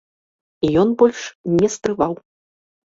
Ён больш не стрываў.